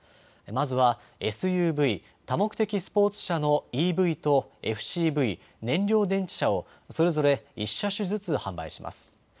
まずはＳＵＶ・多目的スポーツ車のＥＶとＦＣＶ・燃料電池車をそれぞれ１車種ずつ販売します。